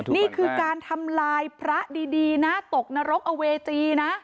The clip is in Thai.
นี่คือการทำลายพระดีนะตกนรกอเวจีนะ